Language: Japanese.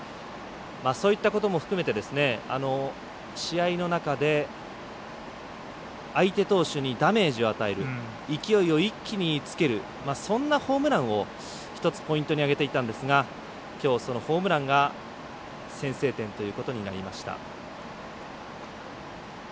そういったことも含めて試合の中で相手投手にダメージを与える勢いを一気につけるそんなホームランを１つポイントに挙げていたんですがきょう、そのホームランが先制点ということになりました。